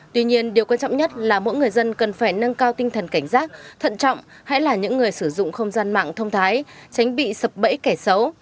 tuy nhiên điều quan trọng nhất là mỗi người dân cần phải nâng cao tinh thần cảnh giác thận trọng hãy là những người sử dụng không gian mạng thông thái tránh bị sập bẫy kẻ xấu